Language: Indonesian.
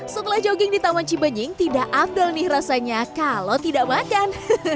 setelah jogging di taman cibenying tidak abdel nih rasanya kalau tidak makan